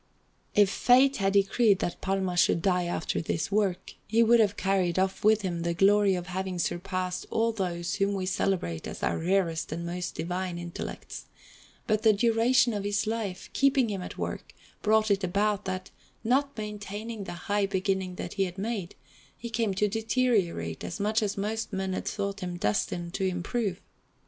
If Fate had decreed that Palma should die after this work, he would have carried off with him the glory of having surpassed all those whom we celebrate as our rarest and most divine intellects; but the duration of his life, keeping him at work, brought it about that, not maintaining the high beginning that he had made, he came to deteriorate as much as most men had thought him destined to improve.